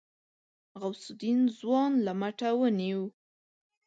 غوث الدين ځوان له مټه ونيو.